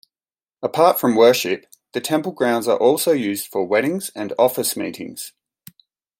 Apart from worship, the temple grounds are also used for weddings and office meetings.